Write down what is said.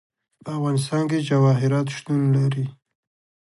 په افغانستان کې جواهرات شتون لري.